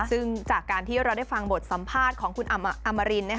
ซึ่งจากการที่เราได้ฟังบทสัมภาษณ์ของคุณอมริน